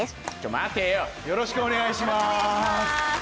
待てよよろしくお願いします